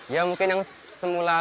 ya mungkin yang semula